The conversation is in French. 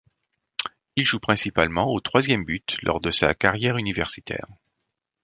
Il joue principalement au troisième but lors de sa carrière universitaire.